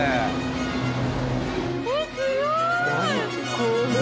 これ。